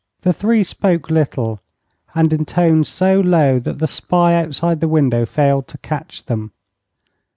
The three spoke little, and in tones so low that the spy outside the window failed to catch them.